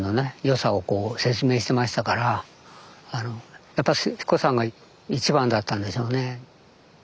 良さを説明してましたからやっぱし英彦山が一番だったんでしょうね。